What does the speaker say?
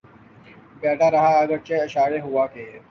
بیٹھا رہا اگرچہ اشارے ہوا کیے